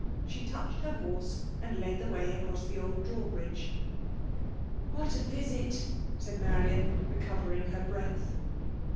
she touched her horse^ and led the way across the old draw bridge. " What a visit !'* said Marian^ recovering her breath.